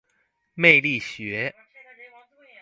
魅力學